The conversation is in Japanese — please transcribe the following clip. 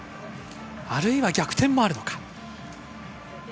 あるいは逆転もあるのか。